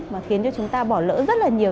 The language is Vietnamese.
mà khiến cho chúng ta bỏ lỡ rất là nhiều